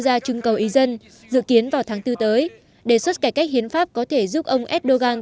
ra trưng cầu ý dân dự kiến vào tháng bốn tới đề xuất cải cách hiến pháp có thể giúp ông erdogan